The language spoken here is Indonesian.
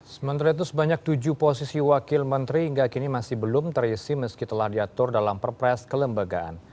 sementara itu sebanyak tujuh posisi wakil menteri hingga kini masih belum terisi meski telah diatur dalam perpres kelembagaan